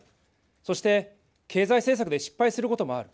そして経済政策で失敗することもある。